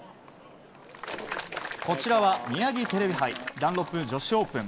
こちらは、ミヤギテレビ杯ダンロップ女子オープン。